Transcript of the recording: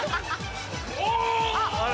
お！